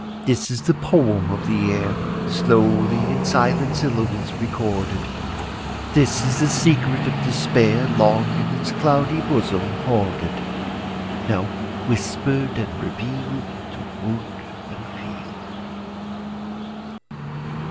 This is the poem of the air, Slowly in silent syllables recorded; This is the secret of despair, Long in its cloudy bosom hoarded, Now whispered and revealed To wood and field.